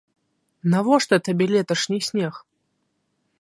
Навошта табе леташні снег?